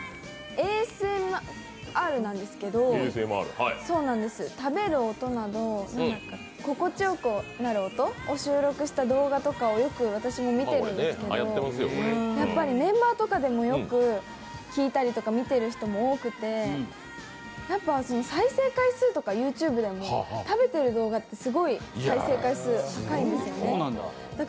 ＡＳＭＲなんですけど食べる音など、心地よくなる音を収録した動画などをよく私も見ているんですけど、メンバーとかでもよく聴いたりとか見てる人も多くて、やっぱ再生回数とかＹｏｕＴｕｂｅでも食べてる動画とかって、すごい再生回数、高いんですよね。